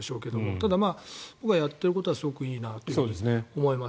ただ、僕はやっていることはすごくいいなと思います。